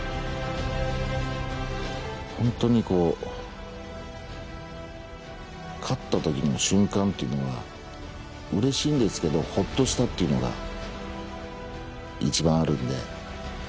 ホントにこう勝った時の瞬間っていうのは嬉しいんですけどホッとしたっていうのが一番あるんで。